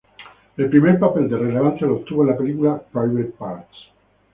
El primer papel de relevancia lo obtuvo en la película "Private Parts".